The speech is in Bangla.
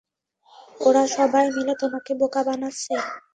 ওরা সবাই মিলে তোমাকে বোকা বানাচ্ছে।